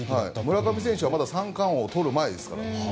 村上選手はまだ三冠王をとる前ですから。